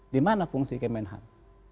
dimana fungsi kemenhan